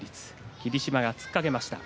霧島が突っかけました。